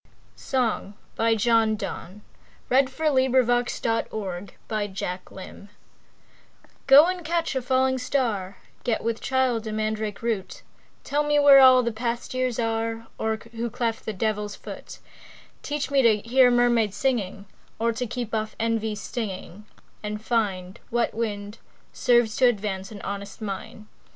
E F . G H . I J . K L . M N . O P . Q R . S T . U V . W X . Y Z Song GO and catch a falling star, Get with child a mandrake root, Tell me where all past years are, Or who cleft the devils foot; Teach me to hear mermaids singing, Or to keep off envy's stinging, And find What wind Serves to advance an honest mind.